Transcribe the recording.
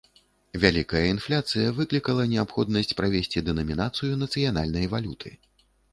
Вялікая інфляцыя выклікала неабходнасць правесці дэнамінацыю нацыянальнай валюты.